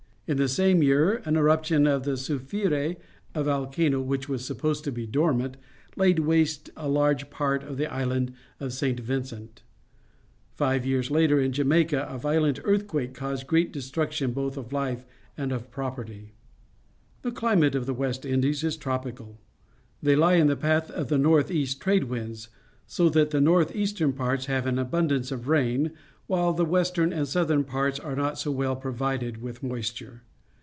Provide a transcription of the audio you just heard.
In the same year an eruption of the Soufriere, a volcano which was supposed to be dormant, laid waste a large part of the island of St. Vincent. Five years later, in Jamaica, a violent earth quake caused great destruction both of life and of property. 144 PUBLIC SCHOOL GEOGRAPHY The climate of the West Indies is trop ica l. Theyjie^inthe_£athjoi^thejioi^^ trade wi nds, so^EaTthe north easter n parts have an abundance of rain, while the westerp and southern parts are not so well pro\'ided ^th ^noistuie.